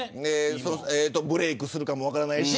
ブレークするかもしれないし。